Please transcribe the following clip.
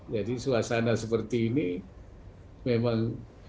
jadi suasana seperti ini memang